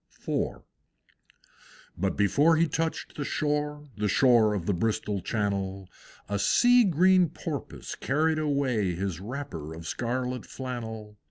IV. But before he touched the shore, The shore of the Bristol Channel, A sea green Porpoise carried away His wrapper of scarlet flannel.